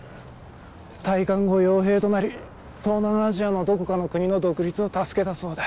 退官後傭兵となり東南アジアのどこかの国の独立を助けたそうだ。